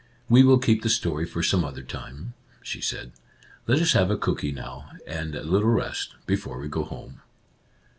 " We will keep the story for some other time," she said. " Let us have a cooky now, and a little rest, before we go home."